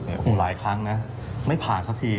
โอ้โหหลายครั้งนะไม่ผ่านสักที